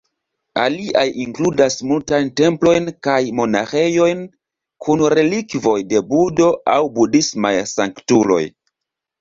Aliaj inkludas multajn templojn kaj monaĥejojn kun relikvoj de Budho aŭ budhismaj sanktuloj.